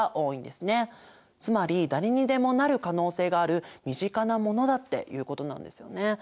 つまり誰にでもなる可能性がある身近なものだっていうことなんですよね。